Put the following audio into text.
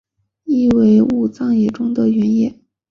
意为武藏野中的原野。